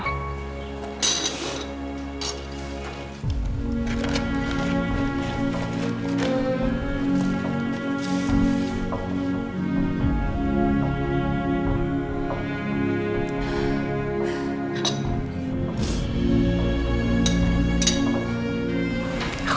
aku kasih buat kamu papa